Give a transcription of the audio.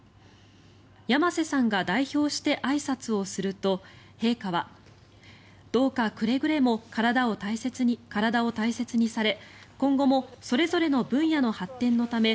山勢さんが代表してあいさつをすると陛下はどうかくれぐれも体を大切にされ今後もそれぞれの分野の発展のため